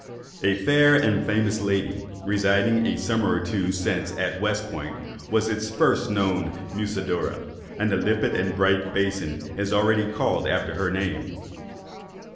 A fair and famous lady, residing a summer or two since at West Point, was its first known Musidora, and the limpid and bright basin is already called after her name.